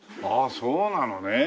ああそうなのね。